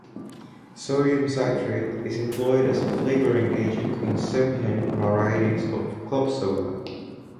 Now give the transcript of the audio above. Sodium citrate is employed as a flavoring agent in certain varieties of club soda.